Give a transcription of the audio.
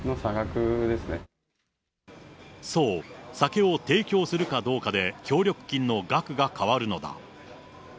そう、酒を提供するかどうかで、協力金の額が変わるのだ。